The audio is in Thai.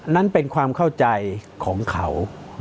นั้นเป็นความเข้าใจของเขา